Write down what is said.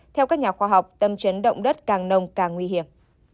theo các nhà khoa học tâm trấn động đất càng nông càng nguy hiểm